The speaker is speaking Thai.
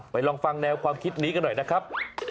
ลองฟังแนวความคิดนี้กันหน่อยนะครับ